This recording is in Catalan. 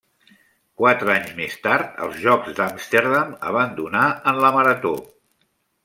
Quatre anys més tard, als Jocs d'Amsterdam, abandonà en la marató.